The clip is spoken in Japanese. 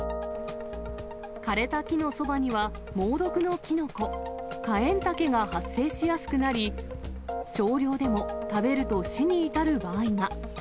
枯れた木のそばには、猛毒のキノコ、カエンタケが発生しやすくなり、少量でも食べると死に至る場合が。